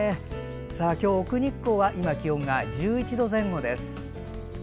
今日、奥日光は気温が１１度前後です。